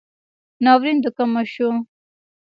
ناورین دکومه شو